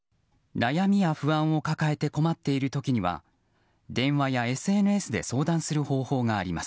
悩みや不安を抱えて困っている時には電話やＳＮＳで相談する方法があります。